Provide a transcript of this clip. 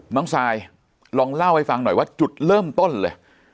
ทรายลองเล่าให้ฟังหน่อยว่าจุดเริ่มต้นเลย